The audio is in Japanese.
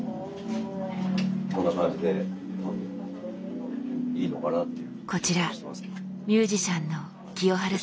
こんな感じでいいのかなっていう。